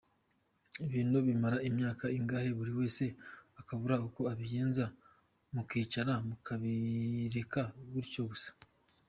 Ibintu biramara imyaka ingahe buri wese akabura uko abigenza mukicara mukabireka gutyo gusa?”.